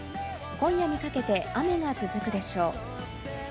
今夜にかけて雨が続くでしょう。